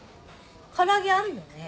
唐揚げあるよね？